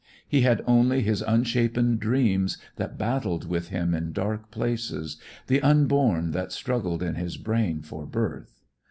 He had only his unshapen dreams that battled with him in dark places, the unborn that struggled in his brain for birth.